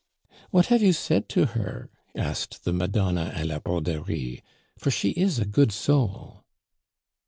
"What have you said to her?" asked the Madonna a la broderie, "for she is a good soul."